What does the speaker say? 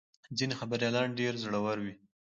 ځینې خبریالان ډېر زړور وي.